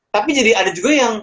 tapi jadi ada juga yang